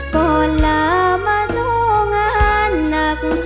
ก่อนลามาสู้งานหนัก